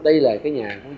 đây là cái nhà